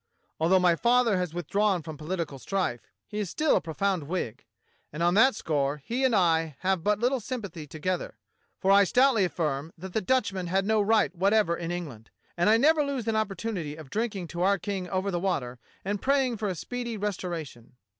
Although my father has withdrawn from political strife, he is still a profound Whig; and on that score he and I have but Httle sympathy together; for I stoutly affirm that the Dutchman had no right whatever in England, and I never lose an opportunity of drinking to our King over the water, and praying for a speedy restoration."